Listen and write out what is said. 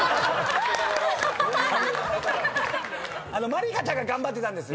まりかちゃん頑張ってたんです。